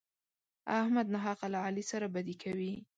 احمد ناحقه له علي سره بدي کوي.